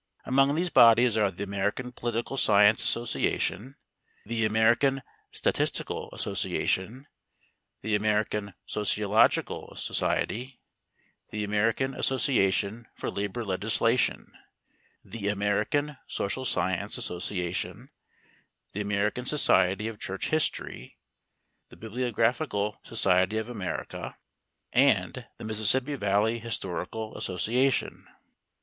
Among these bodies are the American Political Science Association, the American Statistical Association, the American Sociological Society, the American Association for Labor Legislation, the American Social Science Association, the American Society of Church History, the Bibliographical Society of America, and the Mississippi Valley Historical Association.